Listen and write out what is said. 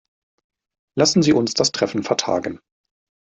Lassen Sie uns das Treffen vertagen.